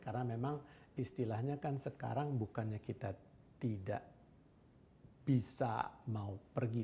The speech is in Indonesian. karena memang istilahnya kan sekarang bukannya kita tidak bisa mau pergi